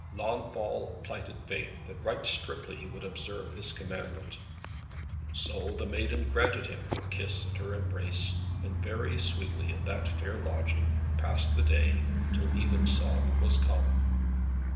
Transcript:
Launfal plighted faith, that right strictly he would observe this commandment. So the Maiden granted him her kiss and her embrace, and very sweetly in that fair lodging passed the day till evensong was come.